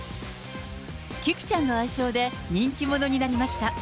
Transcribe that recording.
キクちゃんの愛称で、人気者になりました。